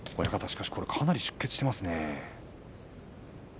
かなり出血していますよね。